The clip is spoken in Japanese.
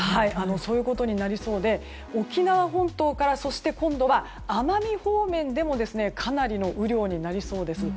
そういうことになりそうで沖縄本島からそして今度は奄美方面でもかなりの雨量になりそうです。